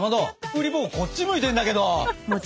うり坊こっち向いてるんだけど。